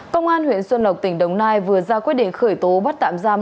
công an huyện xuân lộc tỉnh đồng nai vừa ra quyết định khởi tố bắt tạm giam